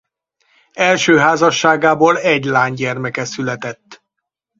Első házasságából egy lánygyermeke született.